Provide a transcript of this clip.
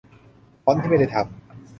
ฟอนต์ที่ไม่ได้ทำ